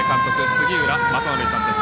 杉浦正則さんです。